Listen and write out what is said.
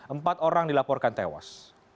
empat orang dilaporkan tewas